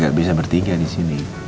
gak bisa bertiga disini